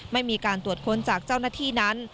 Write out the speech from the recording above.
ไม่มีการตรวจค้นจากเจ้าหน้าที่นั้น